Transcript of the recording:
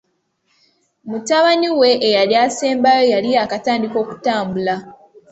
Mutabani we eyali assembayo yali yaakatandika okutambula.